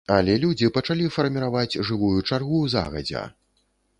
Але людзі пачалі фарміраваць жывую чаргу загадзя.